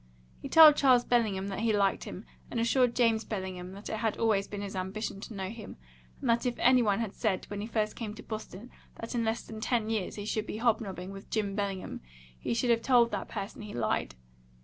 He told Charles Bellingham that he liked him, and assured James Bellingham that it had always been his ambition to know him, and that if any one had said when he first came to Boston that in less than ten years he should be hobnobbing with Jim Bellingham, he should have told that person he lied.